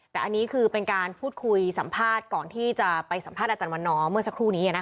แต่อันนี้คือเป็นการพูดคุยสัมภาษณ์ก่อนที่จะไปสัมภาษณ์อาจารย์วันนอร์เมื่อสักครู่นี้